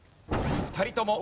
２人ともＡ。